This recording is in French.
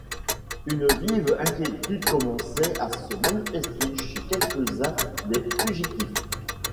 Une vive inquiétude commençait à se manifester chez quelques-uns des fugitifs.